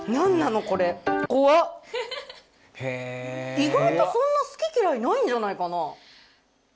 意外とそんな好き嫌いないんじゃないかな。